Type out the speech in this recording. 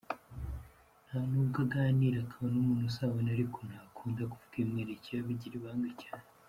Nubwo aganira akaba n’umuntu usabana ariko ntaunda kuvuga ibimwerekeyeho, abigira ibanga cyane.